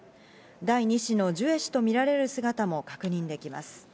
第２子のジュエ氏とみられる姿も確認できます。